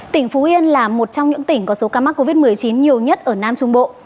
tỉnh phú yên là một trong những tỉnh có số ca mắc covid một mươi chín nhiều nhất ở nam trung bộ